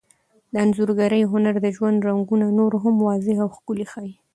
د انځورګرۍ هنر د ژوند رنګونه نور هم واضح او ښکلي ښيي.